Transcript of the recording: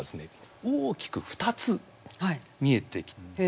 大きく２つ見えてきたんですね。